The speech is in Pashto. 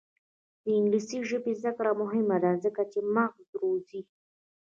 د انګلیسي ژبې زده کړه مهمه ده ځکه چې مغز روزي.